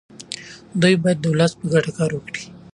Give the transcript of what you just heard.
دوی باید د ولس په ګټه کار وکړي.